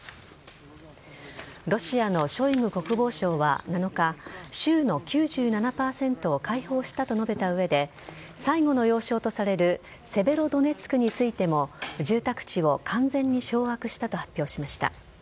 ロシアのショイグ国防相は７日州の９７％を解放したと述べた上で最後の要衝とされるセベロドネツクについても住宅地を完全に掌握したと発表しました。